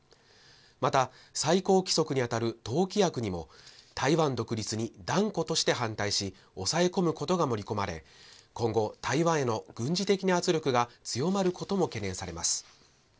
また最高規則に当たる党規約にも、台湾独立に断固として反対し、抑え込むことが盛り込まれ、今後、台湾への軍事的な圧力が強まることも懸念されます。